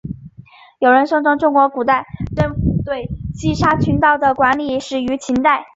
有人声称中国古代政府对西沙群岛的管理始于秦代。